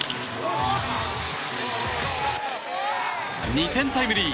２点タイムリー！